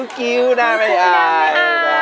คิวน่าไม่อาย